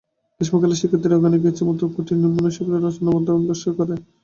গ্রীষ্মকালে শিক্ষার্থীরা ওখানে গিয়ে ইচ্ছামত কুটীর নির্মাণ বা শিবির রচনা করে ধ্যানাভ্যাস করতে পারবে।